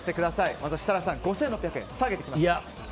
まずは設楽さん、５６００円下げてきました。